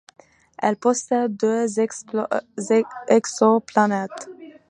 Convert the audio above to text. Elle possède deux exoplanètes.